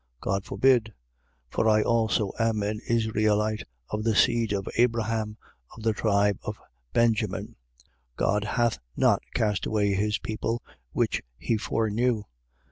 God forbid! For I also am an Israelite of the seed of Abraham, of the tribe of Benjamin. 11:2. God hath not cast away his people which he foreknew.